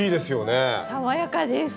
爽やかです！